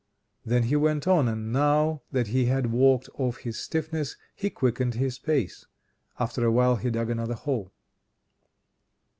Then he went on; and now that he had walked off his stiffness he quickened his pace. After a while he dug another hole.